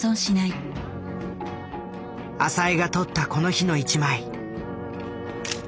浅井が撮ったこの日の一枚。